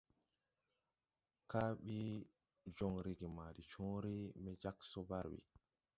Kaa ɓi joŋ reege ma de cõõre me jāg so barɓi.